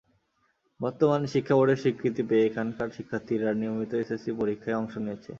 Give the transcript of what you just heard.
বর্তমানে শিক্ষা বোর্ডের স্বীকৃতি পেয়ে এখানকার শিক্ষার্থীরা নিয়মিত এসএসসি পরীক্ষায় অংশ নিয়েছে।